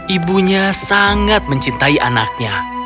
ibunya sangat mencintai anaknya